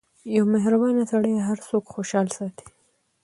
• یو مهربان سړی هر څوک خوشحال ساتي.